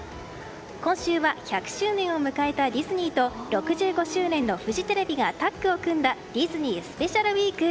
今週は１００周年を迎えたディズニーと６５周年のフジテレビがタッグを組んだディズニースペシャルウィーク。